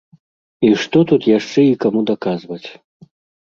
І што тут яшчэ і каму даказваць?